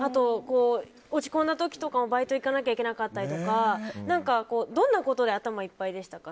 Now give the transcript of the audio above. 落ち込んだ時とかもバイト行かなきゃいけなかったりどんなことで頭がいっぱいでしたか？